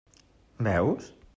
Veus?